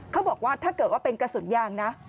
เขาบอกว่าถ้าเกิดว่าเป็นกระสุนยางนะ